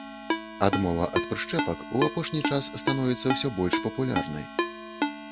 Адмова ад прышчэпак у апошні час становіцца ўсё больш папулярнай.